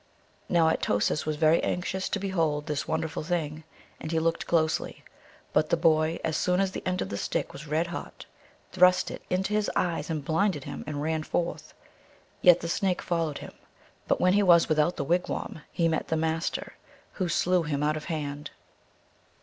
Now At o sis was very anxious to behold this wonder ful thing, and he looked closely ; but the boy, as soon as the end of the stick was red hot, thrust it into his eyes and blinded him, and ran forth. Yet the Snake followed him ; but when he was without the wigwam he met the Master, who slew him out of hand.